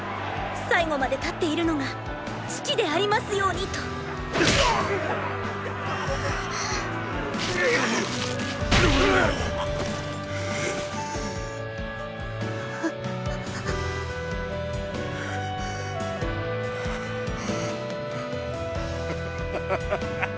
最後まで立っているのが父でありますようにとハハハハハ！